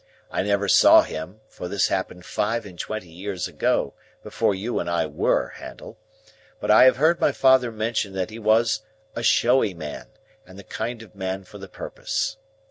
I never saw him (for this happened five and twenty years ago, before you and I were, Handel), but I have heard my father mention that he was a showy man, and the kind of man for the purpose.